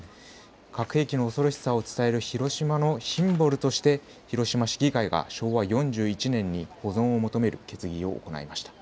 核兵器の恐ろしさを伝える広島のシンボルとして広島の市議会が昭和４１年に保存を求める決議を行いました。